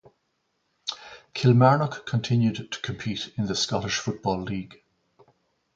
Kilmarnock continued to compete in the Scottish Football League.